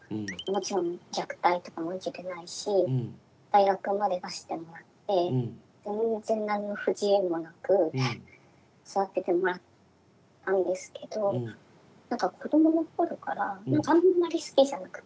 もちろん虐待とかも受けてないし大学まで出してもらって全然何の不自由もなく育ててもらったんですけど何か子どもの頃からあんまり好きじゃなくて。